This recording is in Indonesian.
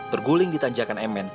terguling di tanjakan mn